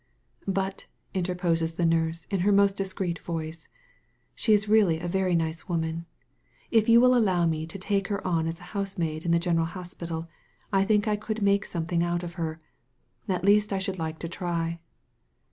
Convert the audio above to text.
"But," interposes the nurse in her most dis creet voice, "she is really a very nice woman. If you would allow me to take her on as a housemaid in the general hospital, I think I could make some* thing out of her; at least I should like to try."